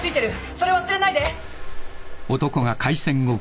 それを忘れないで！」